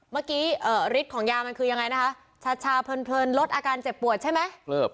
เมื่อกี้ฤทธิ์ของยามันคือยังไงนะคะชาเพลินลดอาการเจ็บปวดใช่ไหม